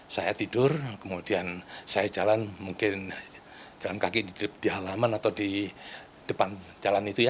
saya tidur kemudian saya jalan mungkin jalan kaki di halaman atau di depan jalan itu ya